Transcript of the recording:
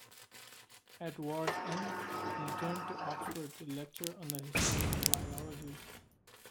At war's end, he returned to Oxford to lecture on the history of biology.